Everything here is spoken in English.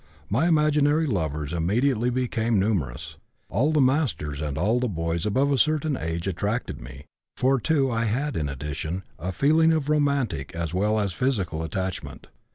My imaginary lovers immediately became numerous; all the masters and all the boys above a certain age attracted me; for two I had in addition a feeling of romantic as well as physical attachment.